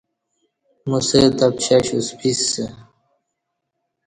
موسہ تں پشش اُسپِسہ